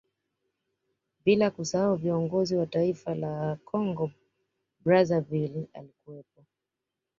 Bila kusahau viongozi wa taifa la Kongo Brazzaville alikuwepo